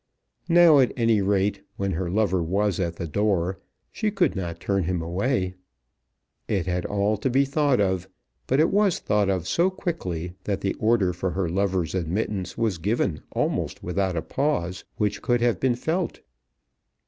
Now, at any rate, when her lover was at the door, she could not turn him away. It had all to be thought of, but it was thought of so quickly that the order for her lover's admittance was given almost without a pause which could have been felt.